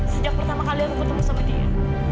sejak pertama kali aku ketemu sama dia